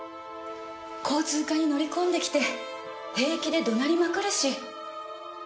交通課に乗り込んできて平気で怒鳴りまくるし。